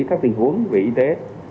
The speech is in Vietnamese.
các tình huống về y tế